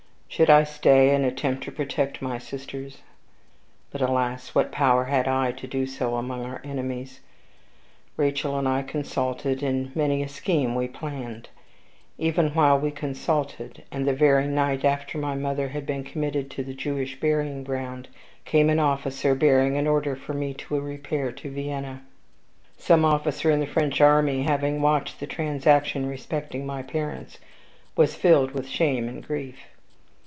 Should I stay and attempt to protect my sisters? But, alas! what power had I to do so among our enemies? Rachael and I consulted; and many a scheme we planned. Even while we consulted, and the very night after my mother had been committed to the Jewish burying ground, came an officer, bearing an order for me to repair to Vienna. Some officer in the French army, having watched the transaction respecting my parents, was filled with shame and grief.